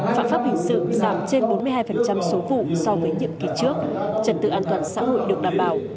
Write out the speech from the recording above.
phạm pháp hình sự giảm trên bốn mươi hai số vụ so với nhiệm kỳ trước trật tự an toàn xã hội được đảm bảo